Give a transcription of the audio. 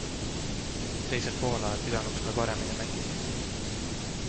Teisel poolajal pidanuks me paremini mängima.